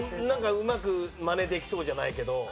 なんかうまくまねできそうじゃないけど。